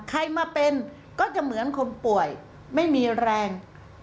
ใครมาเป็นก็จะเหมือนคนป่วยไม่มีแรง